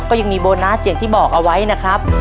ก็ยังมีโบนัสอย่างที่บอกเอาไว้นะครับ